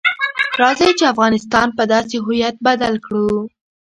راځئ چې افغانستان په داسې هویت بدل کړو.